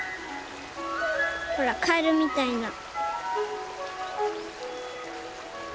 ほらカエルみたいな。